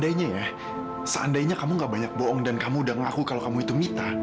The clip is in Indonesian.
bagaimana rasanyaorsa mau bitches rallenseplease about